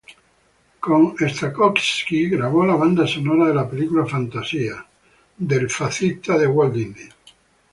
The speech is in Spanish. Con Stokowski grabó la banda sonora de la película "Fantasía" de Walt Disney.